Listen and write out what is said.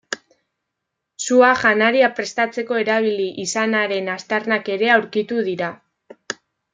Sua janaria prestatzeko erabili izanaren aztarnak ere aurkitu dira.